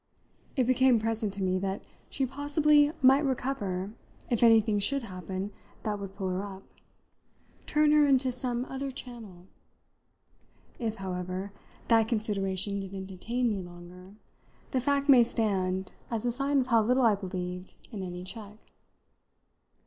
It became present to me that she possibly might recover if anything should happen that would pull her up, turn her into some other channel. If, however, that consideration didn't detain me longer the fact may stand as a sign of how little I believed in any check.